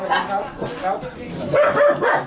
ตัวเหลือใคร